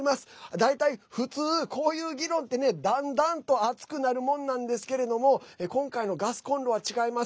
大体、普通こういう議論ってねだんだんと熱くなるもんなんですけれども今回のガスコンロは違います。